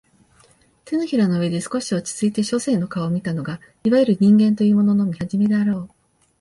掌の上で少し落ちついて書生の顔を見たのがいわゆる人間というものの見始めであろう